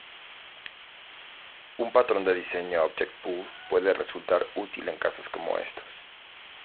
Un patrón de diseño object pool puede resultar útil en casos como estos.